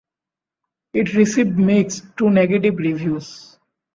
It received mixed to negative reviews.